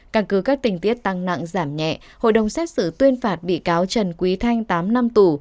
căn cứ các tình tiết tăng nặng giảm nhẹ hội đồng xét xử tuyên phạt bị cáo trần quý thanh tám năm tù